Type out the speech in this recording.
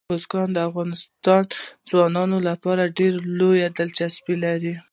بزګان د افغان ځوانانو لپاره ډېره لویه دلچسپي لري.